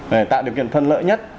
để tạo điều kiện phân lợi nhất